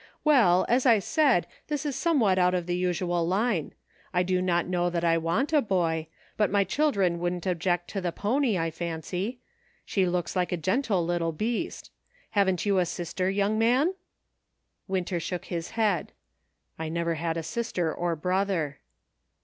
" Well, as I said, this is somewhat out of the usual line ; I do not know that I want a boy ; but my children wouldn't object to the pony, I fancy. She looks like a gentle little beast. Haven't you a sister, young man .''" Winter shook his head. " I never had a sister or brother."